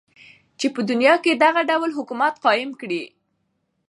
چی په دنیا کی دغه ډول حکومت قایم کړی.